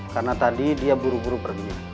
karena tadi dia buru buru pergi